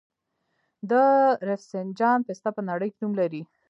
د رفسنجان پسته په نړۍ کې نوم لري.